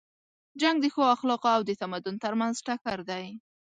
جنګ د ښو اخلاقو او د تمدن تر منځ ټکر دی.